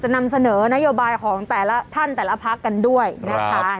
นำเสนอนโยบายของแต่ละท่านแต่ละพักกันด้วยนะคะ